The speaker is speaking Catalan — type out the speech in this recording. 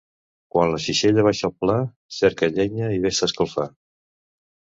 Quan la xixella baixa al pla, cerca llenya i ves-te a escalfar.